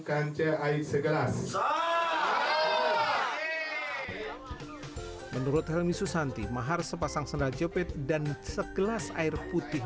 sance air segelas menurut helmi susanti mahar sepasang sandal jepit dan segelas air putih